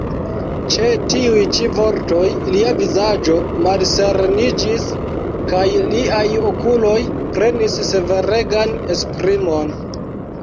Ĉe tiuj ĉi vortoj lia vizaĝo malsereniĝis, kaj liaj okuloj prenis severegan esprimon.